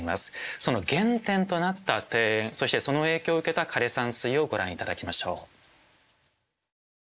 その原点となった庭園そしてその影響を受けた枯山水をご覧頂きましょう。